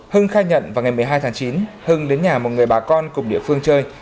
hưng khai nhận vào ngày một mươi hai tháng chín hưng đến nhà một người bà con cùng địa phương chơi